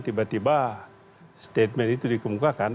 tiba tiba statement itu dikemukakan